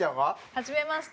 はじめまして。